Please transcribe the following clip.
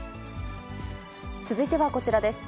続いてはこちらです。